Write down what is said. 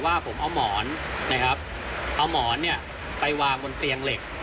ก็เป็นลักษณะว่าผมเอาหมอนนะครับเอาหมอนเนี่ยไปวางบนเตียงเหล็ก